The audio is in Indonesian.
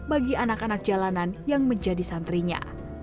bagi anak anak jalanan yang menjadi santrinya